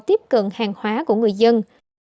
tiếp cận hàng hóa của người dân